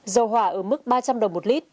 dầu hỏa ở mức ba trăm linh đồng một lít